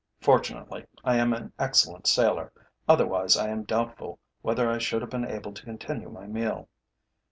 Fortunately, I am an excellent sailor, otherwise I am doubtful whether I should have been able to continue my meal.